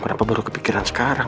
kenapa baru kepikiran sekarang